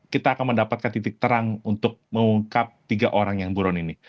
kita akan mendapatkan titik terang untuk mengungkap tiga orang yang buron ini